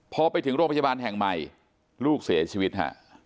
พอไปถึงโรงพยาบาลแห่งใหม่ลูกเสียชีวิตฮะ